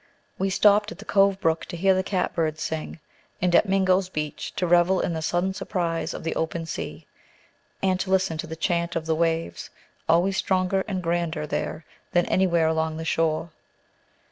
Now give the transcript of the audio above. We stopped at the Cove Brook to hear the cat birds sing, and at Mingo's Beach to revel in the sudden surprise of the open sea, and to listen to the chant of the waves, always stronger and grander there than anywhere along the shore.